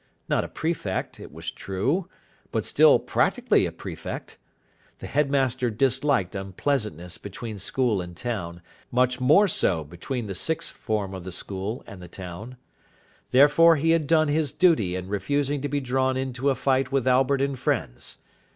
Not a prefect, it was true, but, still, practically a prefect. The headmaster disliked unpleasantness between school and town, much more so between the sixth form of the school and the town. Therefore, he had done his duty in refusing to be drawn into a fight with Albert and friends.